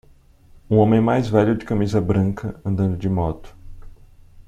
Um homem mais velho de camisa branca andando de moto.